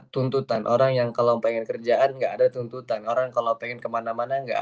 tuntutan orang yang kalau pengen kerjaan enggak ada tuntutan orang kalau pengen kemana mana enggak